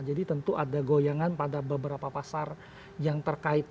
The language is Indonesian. jadi tentu ada goyangan pada beberapa pasar yang terkait